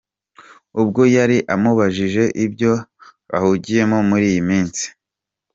com ubwo yari amubajije ibyo ahugiyemo muri iyi minsi.